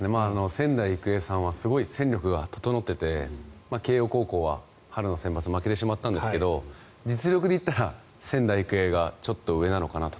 仙台育英さんはすごい戦力が整っていて慶応高校は春のセンバツ負けてしまったんですが実力で言ったら仙台育英がちょっと上なのかなと。